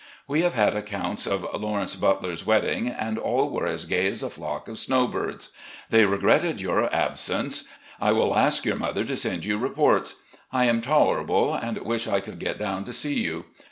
We have had accounts of Lawrence Butler's wedding, and all were as gay as a flock of snow birds. They regretted your absence. I will ask your mother to send you reports. I am tolerable and wish I could get down to see you.